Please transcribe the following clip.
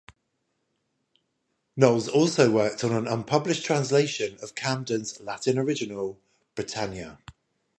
Knolles also worked on an unpublished translation of Camden's Latin original, Britannia.